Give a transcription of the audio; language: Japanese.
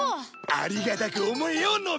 ありがたく思えよのび太！